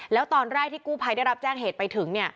แล้วตอนแรกที่กู้ภัยได้รับแจ้งเหตุไปถึง